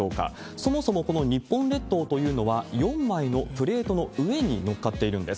そもそもこの日本列島というのは４枚のプレートの上に乗っかっているんです。